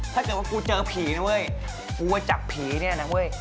ถ้าเกิดว่ากูเจอผีอ่ะเว้ยกูจะจับพีย์เนี้ยนั้นเว้ย